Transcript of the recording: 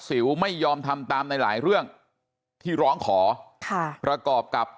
สิวไม่ยอมทำตามในหลายเรื่องที่ร้องขอค่ะประกอบกับ